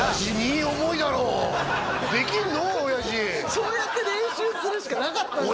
親父そうやって練習するしかなかったんですよ